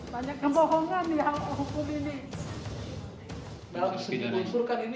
banyak kebohongan di hal hukum ini